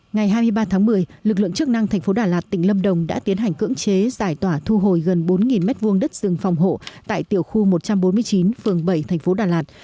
ngày hai mươi ba một mươi lực lượng chức năng tp đà lạt tỉnh lâm đồng đã tiến hành cưỡng chế giải tỏa thu hồi gần bốn m hai đất rừng phòng hộ tại tiểu khu một trăm bốn mươi chín phường bảy tp đà lạt